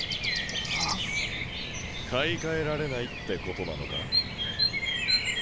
あ？買い替えられないってことなのか？